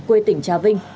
quê tỉnh trà vê